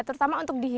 terutama untuk dihilir